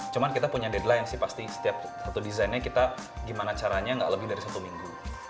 cuma kita punya deadline sih pasti setiap satu desainnya kita gimana caranya nggak lebih dari satu minggu